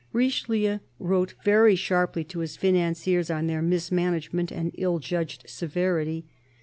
Richelieu wrote very sharply to his financiers on their mismanagement and ill judged severity.